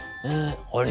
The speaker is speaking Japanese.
「あれ？